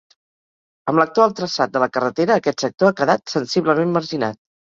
Amb l'actual traçat de la carretera aquest sector ha quedat sensiblement marginat.